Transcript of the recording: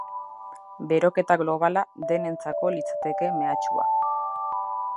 Beroketa globala denentzako litzateke mehatxua.